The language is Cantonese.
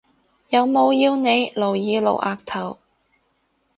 有冇要你露耳露額頭？